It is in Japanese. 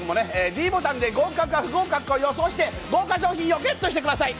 ｄボタンで合格か不合格か予想して豪華賞品をＧＥＴしてください